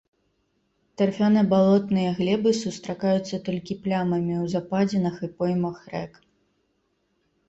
Тарфяна-балотныя глебы сустракаюцца толькі плямамі ў западзінах і поймах рэк.